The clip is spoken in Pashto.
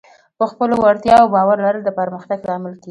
په خپلو وړتیاوو باور لرل د پرمختګ لامل کېږي.